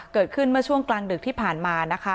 เกิดขึ้นเมื่อช่วงกลางดึกที่ผ่านมานะคะ